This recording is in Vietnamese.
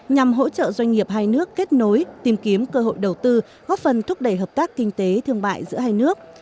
nhằm hỗ trợ doanh nghiệp hai nước kết nối tìm kiếm cơ hội đầu tư góp phần thúc đẩy hợp tác kinh tế thương mại giữa hai nước